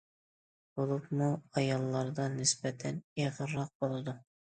بولۇپمۇ ئاياللاردا نىسبەتەن ئېغىرراق بولىدۇ.